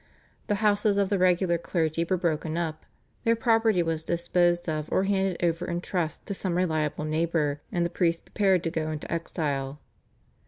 The houses of the regular clergy were broken up; their property was disposed of or handed over in trust to some reliable neighbour, and the priests prepared to go into exile.